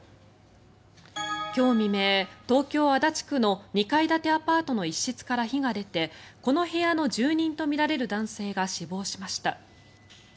今日未明、東京・足立区の２階建てアパートの一室から火が出てこの部屋の住人とみられる男性が死亡しました。